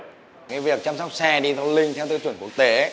cái việc chăm sóc xe detailing theo tiêu chuẩn quốc tế